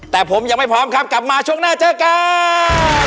แต่ผมยังไม่พร้อมครับกลับมาช่วงหน้าเจอกัน